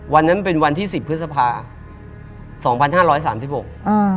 วันนั้นเป็นวันที่สิบพฤษภาสองพันห้าร้อยสามสิบหกอ่า